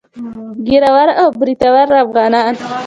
ږيره ور او برېتور افغانان.